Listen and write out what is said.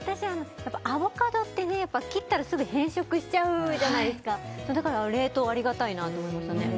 やっぱアボカドってね切ったらすぐ変色しちゃうじゃないですかだから冷凍ありがたいなと思いましたね